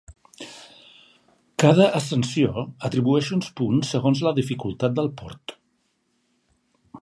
Cada ascensió atribueix uns punts segons la dificultat del port.